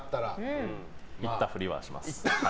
言ったふりはします。